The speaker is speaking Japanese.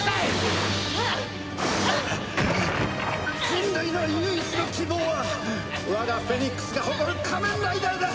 人類の唯一の希望は我がフェニックスが誇る仮面ライダーだ。